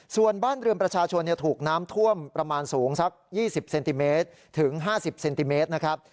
ส่วนบ้านเรือนประชาชนถูกน้ำท่วมประมาณสูงสัก๒๐เซนติเมตรถึง๕๐เซนติเมตรนะครับ